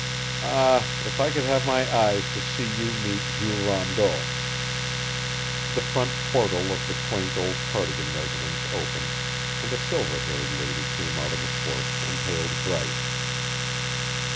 "Ah, if I could have my eyes to see you meet Jules Rondeau!" The front portal of the quaint old Cardigan residence opened, and a silver haired lady came out on the porch and hailed Bryce.